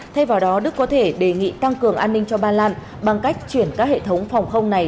thay vào đó đức có thể đề nghị tăng cường an ninh cho ba lan bằng cách chuyển các hệ thống phòng không này